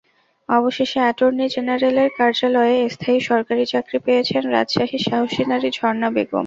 অবশেষে অ্যাটর্নি জেনারেলের কার্যালয়ে স্থায়ী সরকারি চাকরি পেয়েছেন রাজশাহীর সাহসী নারী ঝরনা বেগম।